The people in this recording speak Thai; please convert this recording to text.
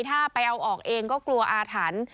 ถ้าไปเอาออกเองก็กลัวอาถรรพ์